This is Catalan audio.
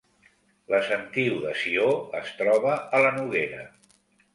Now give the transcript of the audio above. La Sentiu de Sió es troba a la Noguera